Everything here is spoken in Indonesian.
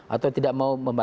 atau tidak mau